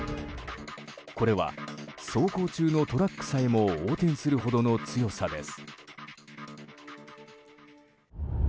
これは、走行中のトラックさえも横転するほどの強さです。